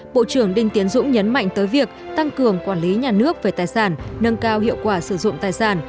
bộ trưởng đinh tiến dũng nhấn mạnh tới việc tăng cường quản lý nhà nước về tài sản nâng cao hiệu quả sử dụng tài sản